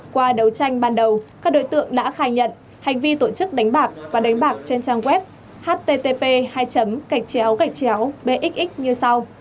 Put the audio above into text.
qua đấu tranh ban đầu các đối tượng đã khai nhận hành vi tổ chức đánh bạc và đánh bạc trên trang web http bxx như sau